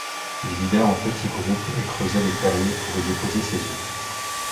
Il vivait en petits groupes et creusait des terriers pour y déposer ses œufs.